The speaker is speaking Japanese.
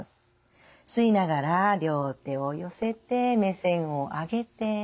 吸いながら両手を寄せて目線を上げて。